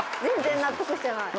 全然納得してない。